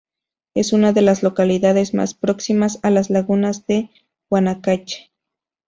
Es una de las localidades más próximas a las Lagunas de Guanacache.